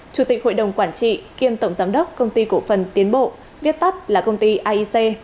chủ tịch hội đồng quản trị kiêm tổng giám đốc công ty cổ phần tiến bộ viết tắt là công ty aic